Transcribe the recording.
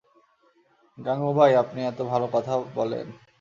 গাঙুবাই, আপনি এতো ভালো কথা বলেন।